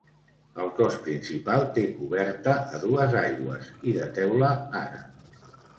El cos principal té coberta a dues aigües, i de teula àrab.